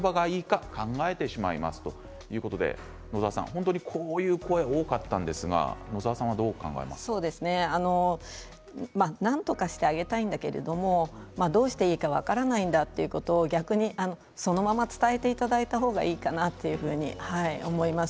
本当に、こういう声多かったんですが野澤さんはどうなんとかしてあげたいんだけれどどうしていいか分からないんだということを逆にそのまま伝えていただいた方がいいかなと思います。